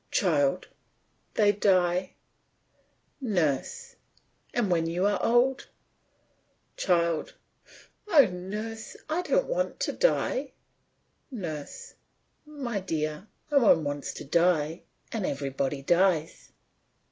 CHILD: They die. NURSE: And when you are old ? CHILD: Oh nurse! I don't want to die! NURSE: My dear, no one wants to die, and everybody dies.